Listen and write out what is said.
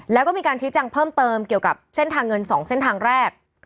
แล้วก็มีการชี้แจงเพิ่มเติมเกี่ยวกับเส้นทางเงิน๒เส้นทางแรก